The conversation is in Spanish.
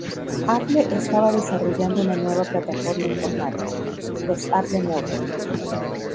Apple estaba desarrollando una nueva plataforma informática, los Apple Newton.